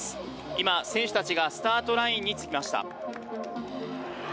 今、選手たちがスタートラインにつきました。